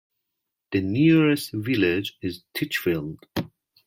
The nearest village is Titchfield.